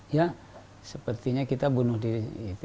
ya sepertinya kita bunuh diri